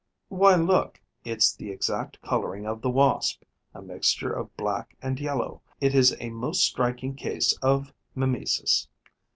'Why look: it's the exact colouring of the Wasp, a mixture of black and yellow. It is a most striking case of mimesis.'